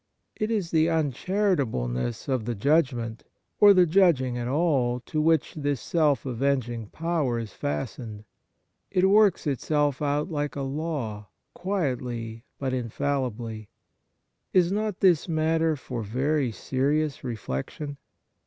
It is the uncharitableness of the judgment, or the judging at all, to which this self avenging power is fastened. It works itself out like a law, quietly but infallibly. Is not this matter for very serious reflection